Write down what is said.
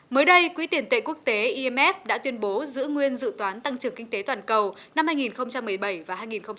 mới đây quỹ tiền tệ quốc tế imf đã tuyên bố giữ nguyên dự toán tăng trưởng kinh tế toàn cầu năm hai nghìn một mươi bảy và hai nghìn một mươi chín